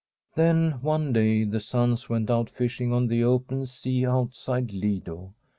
Then, one day, the sons went out fishing on the open sea, outside Lido.